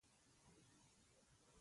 ځينې يې لنډ او مختصر وو.